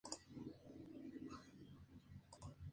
Actualmente, no está disponible en Japón, Corea, Singapur o Taiwán.